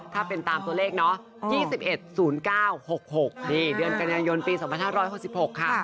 ถ้าเป็นตามตัวเลขเนาะ๒๑๐๙๖๖นี่เดือนกันยายนปี๒๕๖๖ค่ะ